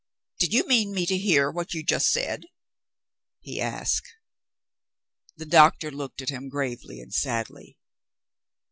"Did you mean me to hear what you have just said?" he asked. The doctor looked at him gravely and sadly.